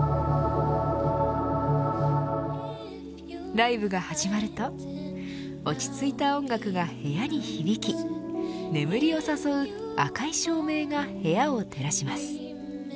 ライブが始まると落ち着いた音楽が部屋に響き眠りを誘う赤い照明が部屋を照らします。